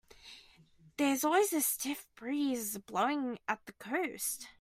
There's always a stiff breeze blowing at the coast.